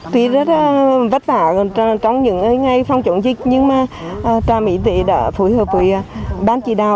tuy rất vất vả trong những ngày phòng chống dịch nhưng mà trà mỹ đã phù hợp với ban chỉ đạo